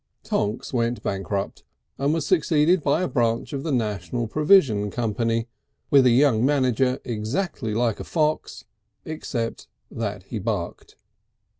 Tonks went bankrupt, and was succeeded by a branch of the National Provision Company, with a young manager exactly like a fox, except that he barked.